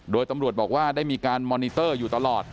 โดยตำรวจบอกว่าได้มีการมอนิเตอร์อยู่ตลอด